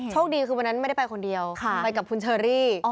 คดีคือวันนั้นไม่ได้ไปคนเดียวไปกับคุณเชอรี่